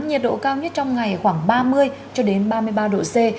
nhiệt độ cao nhất trong ngày khoảng ba mươi cho đến ba mươi ba độ c